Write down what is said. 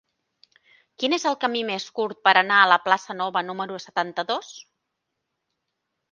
Quin és el camí més curt per anar a la plaça Nova número setanta-dos?